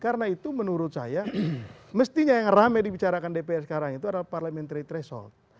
karena itu menurut saya mestinya yang rame dibicarakan dpr sekarang itu adalah parliamentary threshold